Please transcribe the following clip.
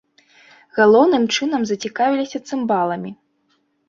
Галоўным чынам зацікавіліся цымбаламі.